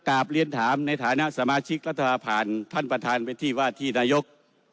บรรยากาศเรียนถามในฐานะสมาชิกรัฐภาพันธ์ท่านประธานเวทย์ว่าที่นายก